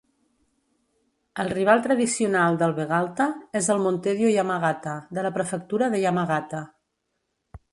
El rival tradicional del Vegalta és el Montedio Yamagata, de la Prefectura de Yamagata.